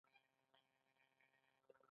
په دغه امکاناتو کې د دولت پوره ملاتړ شامل دی